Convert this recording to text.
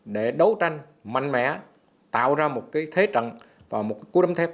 để đấu tranh mạnh mẽ tạo ra một thế trận và một cú đấm thép